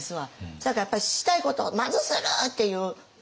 せやからやっぱりしたいことをまずするっていう。